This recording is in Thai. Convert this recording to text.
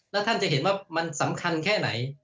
แล้วท่านจะเห็นว่ามันสำคัญแค่ไหน